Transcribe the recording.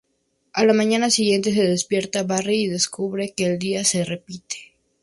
A la mañana siguiente, se despierta Barry y descubre que el día se repite.